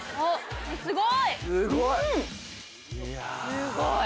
すごい。